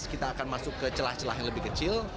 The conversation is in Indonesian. kita akan masuk ke celah celah yang lebih kecil